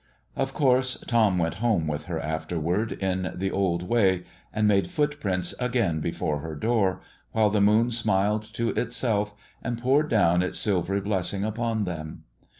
Of course Tom went home with her afterward, in the old way, and made footprints again before her door, while the moon smiled to itself and poured down its silvery blessing upon them.